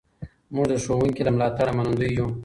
موږ د ښوونکي له ملاتړه منندوی یو.